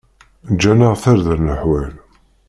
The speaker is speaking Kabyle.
Ǧǧan-aɣ-d tarda leḥwal.